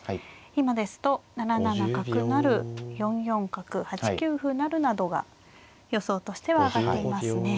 今ですと７七角成４四角８九歩成などが予想としては挙がっていますね。